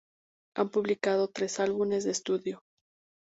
Han publicado tres álbumes de estudio.